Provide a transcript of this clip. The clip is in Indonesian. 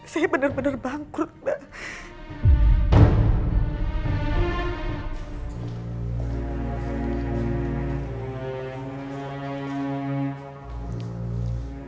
saya benar benar bangkul mbak